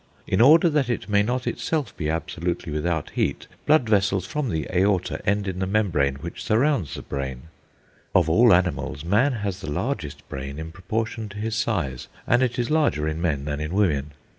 In order that it may not itself be absolutely without heat, blood vessels from the aorta end in the membrane which surrounds the brain.... Of all animals man has the largest brain in proportion to his size: and it is larger in men than in women.